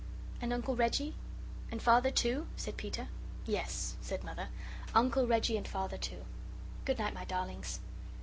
"And Uncle Reggie and Father, too?" said Peter. "Yes," said Mother. "Uncle Reggie and Father, too. Good night, my darlings."